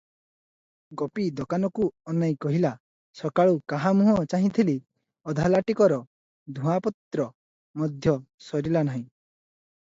ଗୋପୀ ଦୋକାନକୁ ଅନାଇ କହିଲା, "ସକାଳୁ କାହା ମୁହଁ ଚାହିଁଥିଲି, ଅଧାଲାଟିକର ଧୂଆଁପତ୍ର ମଧ୍ୟ ସରିଲା ନାହିଁ ।"